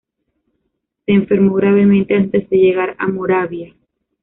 Se enfermó gravemente antes de llegar a Moravia.